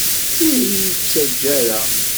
Ur iyi-ttajja ara!